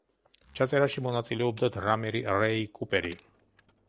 ჩაწერაში მონაწილეობდა დრამერი რეი კუპერი.